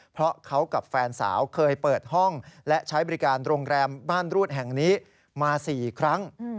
เพราะเขากับแฟนสาวเคยเปิดห้องและใช้บริการโรงแรมม่านรูดแห่งนี้มา๔ครั้ง